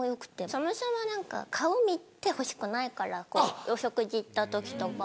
そもそも何か顔見てほしくないからこうお食事行った時とか。